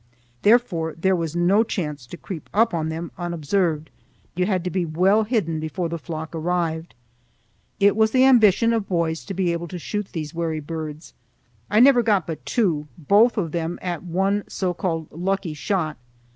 Therefore there was no chance to creep up on them unobserved; you had to be well hidden before the flock arrived. It was the ambition of boys to be able to shoot these wary birds. I never got but two, both of them at one so called lucky shot.